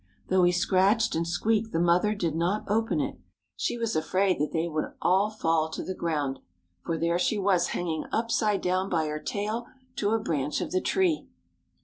Though he scratched and squeaked the mother did not open it. She was afraid that they would all fall to the ground, for there she was hanging upside down by her tail to a branch of the tree.